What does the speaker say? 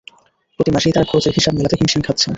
প্রতি মাসেই তাঁরা খরচের হিসাব মেলাতে হিমশিম খাচ্ছেন।